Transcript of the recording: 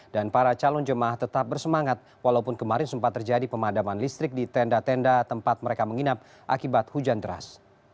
dan para calon jemaah tetap bersemangat walaupun kemarin sempat terjadi pemadaman listrik di tenda tenda tempat mereka menginap akibat hujan deras